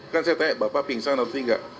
kan saya tanya bapak pingsan atau tidak